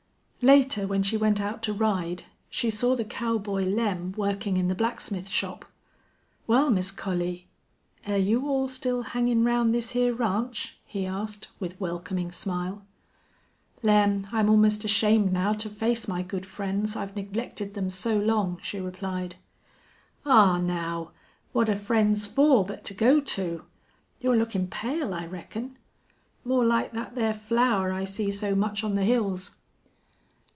Later, when she went out to ride, she saw the cowboy Lem working in the blacksmith shop. "Wal, Miss Collie, air you all still hangin' round this hyar ranch?" he asked, with welcoming smile. "Lem, I'm almost ashamed now to face my good friends, I've neglected them so long," she replied. "Aw, now, what're friends fer but to go to?... You're lookin' pale, I reckon. More like thet thar flower I see so much on the hills."